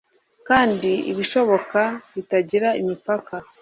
Kandi ibishoboka bitagira imipaka